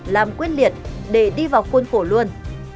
làm quyết liệt để đi vào khuôn khổ luôn